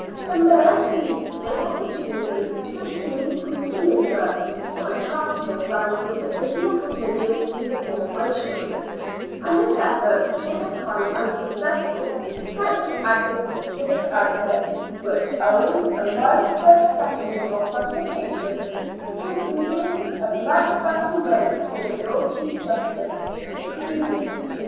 The Mayor seized this opportunity to sue Queen Elizabeth for a charter granting additional privileges to the Corporation, and this effort, for the time unsuccessful, doubtless added to the civic outlay, which, owing to a widespread scattering of gratifications, including a black satin robe for the Lord Chief Justice, exceeded £200.